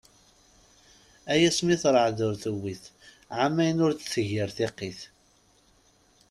Ay asmi terɛed ur tewwit, ɛamayen ur d-tegir tiqqit.